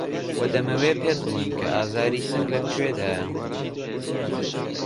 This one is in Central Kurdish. وە دەمەوێ پێت بڵێم کە ئازاری سنگ لە کوێدایه